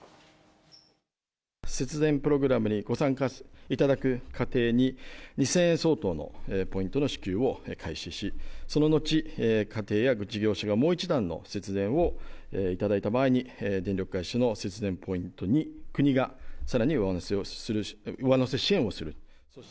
節電プログラムにご参加いただく家庭に、２０００円相当のポイントの支給を開始し、その後、家庭や事業者がもう一段の節電をいただいた場合に、電力会社の節電ポイントに国がさらに上乗せ支援をする。